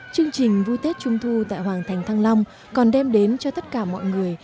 chương trình vui tết trung thu tại hoàng thành thăng long còn đem đến cho tất cả mọi người